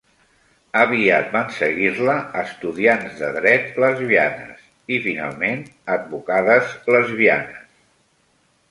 Aviat van seguir-la estudiants de dret lesbianes i, finalment, advocades lesbianes.